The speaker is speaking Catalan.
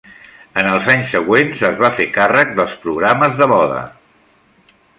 En els anys següents es va fer càrrec dels programes de moda.